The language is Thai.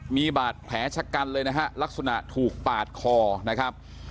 มีบาดแผลชะกันเลยนะฮะลักษณะถูกปาดคอนะครับ